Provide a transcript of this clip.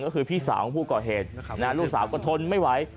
ก็คือพี่สาวของผู้ก่อเหตุลูกสาวก็ทนไม่ไหว